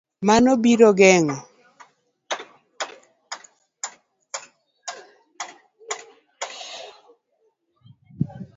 Mano biro geng'o